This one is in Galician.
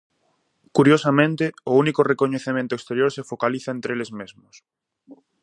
Curiosamente, o único recoñecemento exterior se focaliza entre eles mesmos.